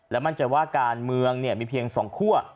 มั่นใจว่าการเมืองมีเพียง๒คั่ว